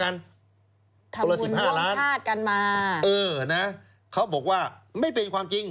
ทำวุนพร้อมธาตุกันมาเออนะเขาบอกว่าไม่เป็นความจริง